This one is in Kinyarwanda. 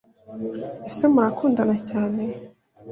Ese Murakundana cyane